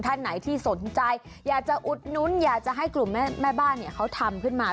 ท่านไหนที่สนใจอยากจะอุดนุ้นอยากจะให้กลุ่มแม่บ้านเนี่ยเขาทำขึ้นมา